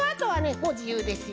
もうじゆうですよ。